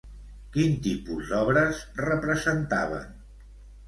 Quin tipus d'obres representaven?